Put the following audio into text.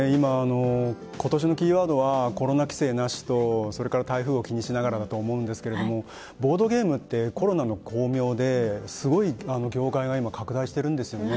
今年のキーワードはコロナ規制なしと台風を気にしながらだと思うんですがボードゲームってコロナの巧妙ですごい業界が拡大しているんですよね。